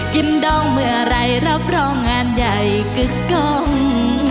กินด้องเมื่อไหร่รับรองานใหญ่กึกกอง